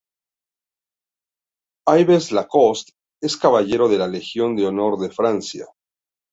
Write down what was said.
Yves Lacoste es caballero de la Legión de Honor de Francia.